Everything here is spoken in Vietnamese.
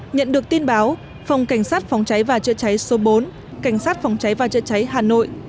nhận được tin báo phòng cảnh sát phòng cháy và chữa cháy số bốn cảnh sát phòng cháy và chữa cháy hà nội